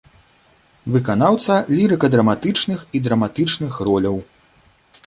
Выканаўца лірыка-драматычных і драматычных роляў.